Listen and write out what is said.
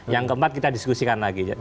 yang keempat kita diskusikan lagi